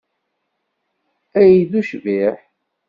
Ay d ucbiḥ!